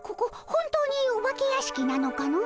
本当にお化け屋敷なのかの？